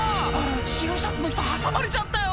白シャツの人挟まれちゃったよ！